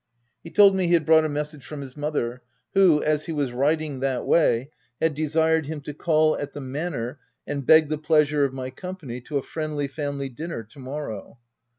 He told me he had brought a message from his mother, who, as he was riding that way, had desired him to call at the manor and beg the pleasure of my company to a friendly, family dinner to morrow.